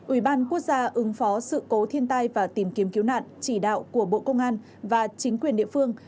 ủy ban quốc gia ứng phó sự cố thiên tai và tìm kiếm cứu nạn chỉ đạo của bộ công an và chính quyền địa phương